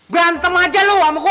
berantem aja lu sama gue